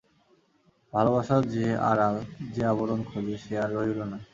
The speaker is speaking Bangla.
ভালোবাসা যে আড়াল, যে আবরণ খোঁজে, সে আর রহিল না।